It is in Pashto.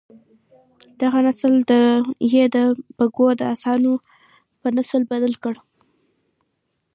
دغه نسل یې د بګیو د اسانو په نسل بدل کړ.